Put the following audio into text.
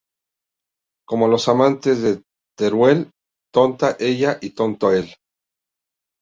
Como los amantes de Teruel, tonta ella y tonto él